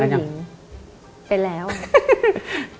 ตอนเข้าไปแฟนกันยัง